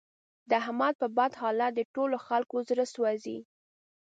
د احمد په بد حالت د ټول خکلو زړه سوځي.